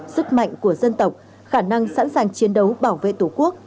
sức mạnh của dân tộc khả năng sẵn sàng chiến đấu bảo vệ tổ quốc của các lực lượng vũ trang